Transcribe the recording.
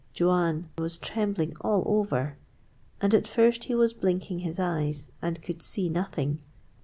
Juan was trembling all over, and at first he was blinking his eyes and could see nothing.